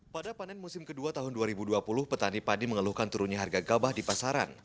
pada panen musim kedua tahun dua ribu dua puluh petani padi mengeluhkan turunnya harga gabah di pasaran